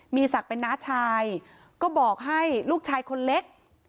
มีศักดิ์เป็นน้าชายก็บอกให้ลูกชายคนเล็ก